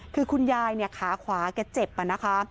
คือคุณยายเนี่ยขาขวาแกเจ็บนะคะ